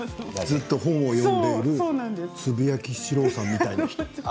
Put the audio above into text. ずっと本を読んでいるつぶやきシローさんみたいな人。